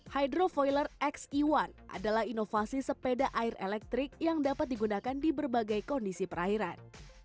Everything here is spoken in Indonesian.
hydrofoiler xe satu adalah inovasi sepeda air elektrik yang dapat digunakan di berbagai kondisi perairan